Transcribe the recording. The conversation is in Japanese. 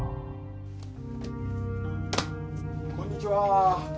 こんにちは。